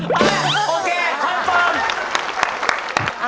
ไปโอเคโคตรเปิม